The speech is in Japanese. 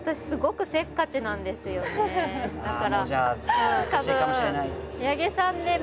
すごくせっかちなんですよね。